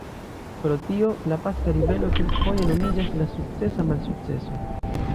Pro tio, la Paska Ribelo kelkfoje nomiĝas "la sukcesa malsukceso".